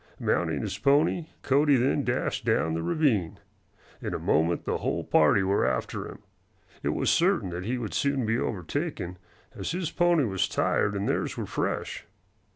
Mounting his pony, Cody then dashed down the ravine. In a moment the whole party were after him. It was certain that he would soon be overtaken, as his own pony was tired and theirs were fresh.